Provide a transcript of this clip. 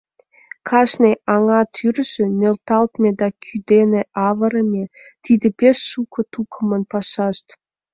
Кажне аҥа тӱржӧ нӧлталме да кӱ дене авырыме, — тиде пеш шуко тукымын пашашт.